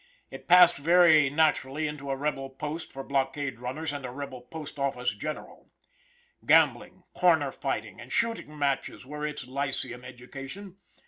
It passed very naturally into a rebel post for blockade runners and a rebel post office general. Gambling, corner fighting, and shooting matches were its lyceum education.